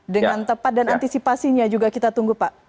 dengan tepat dan antisipasinya juga kita tunggu pak